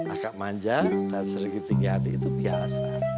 agak manja dan sedikit tinggi hati itu biasa